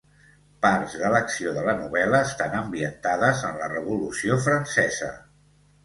Parts de l'acció de la novel·la estan ambientades en la Revolució Francesa.